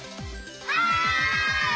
はい！